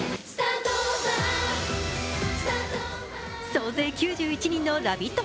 総勢９１人のラヴィット！